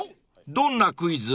どんなクイズ？］